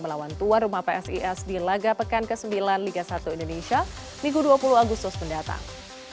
melawan tuan rumah psis di laga pekan ke sembilan liga satu indonesia minggu dua puluh agustus mendatang